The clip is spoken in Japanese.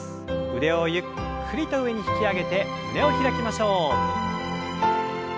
腕をゆっくりと上に引き上げて胸を開きましょう。